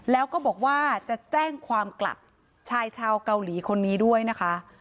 แล้วก็บอกว่าจะแจ้งความกลับชายชาวเกาหลีคนนี้ด้วยนะคะ